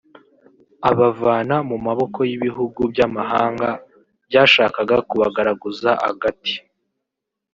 abavana mu maboko y’ibihugu by’amahanga byashakaga kubagaraguza agati